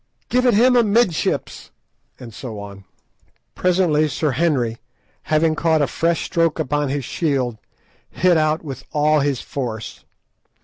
Give it him amidships," and so on. Presently Sir Henry, having caught a fresh stroke upon his shield, hit out with all his force.